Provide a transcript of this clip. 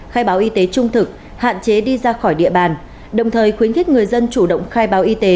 khai báo y tế trung thực hạn chế đi ra khỏi địa bàn đồng thời khuyến khích người dân chủ động khai báo y tế